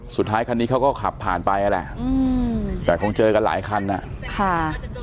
สุดท้ายคันนี้เขาก็ขับผ่านไปแล้วแหละแต่คงเจอกันหลายคันค่ะ